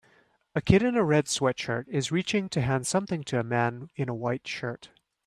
A kid in a red sweatshirt is reaching to hand something to a man in a white shirt